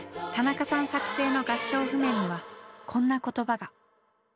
田中さん作成の合唱譜面にはこんな言葉が。